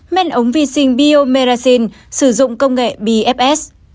men ống vi sinh biomeracin sử dụng công nghệ bfs